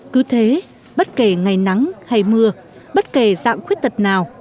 cứ thế bất kể ngày nắng hay mưa bất kể dạng khuyết tật nào